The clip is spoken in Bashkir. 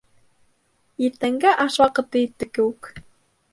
Иртәнге аш ваҡыты етте кеүек.